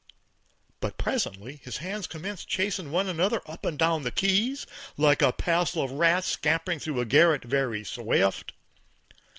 But presently his hands commenced chasin' one another up and down the keys, like a passel of rats scamperin' through a garret very swift.